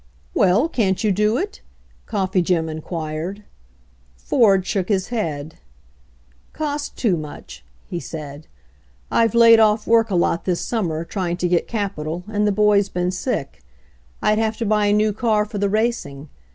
"Well, can't you do it?" Coffee Jim inquired. Ford shook his head. "Cost too much," he said. "I've laid off work a lot this summer, trying to get capital, and the boy's been sick. Fd have to buy a new car for the racing.